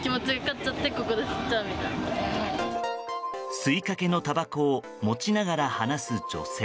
吸いかけのたばこを持ちながら話す女性。